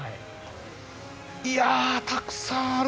いやたくさんある！